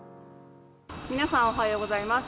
皆さんおよはようございます。